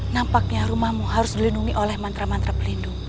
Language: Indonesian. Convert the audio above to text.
nampaknya rumahmu harus dilindungi oleh mantra mantra pelindung